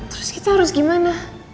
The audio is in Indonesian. terus kita harus gimana